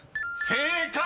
［正解！］